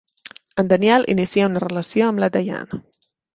En Daniel inicia una relació amb la Diane.